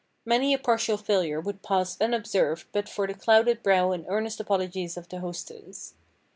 Many a partial failure would pass unobserved but for the clouded brow and earnest apologies of the hostess.